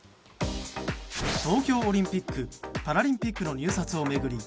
東京オリンピック・パラリンピックの入札を巡り